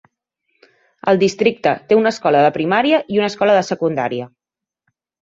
El districte té una escola de primària i una escola de secundària.